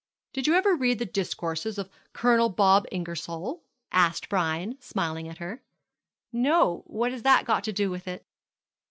'Did you ever read the discourses of Colonel Bob Ingersoll?' asked Brian, smiling at her. 'No; what has that to do with it?'